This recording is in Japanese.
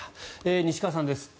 西川さんです。